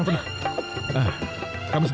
tidak mau ikut